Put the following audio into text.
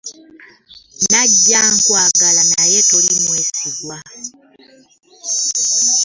Najja nkwagala naye toli mwesigwa.